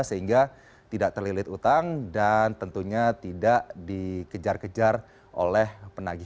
sehingga tidak terlilit utang dan tentunya tidak dikejar kejar oleh penagih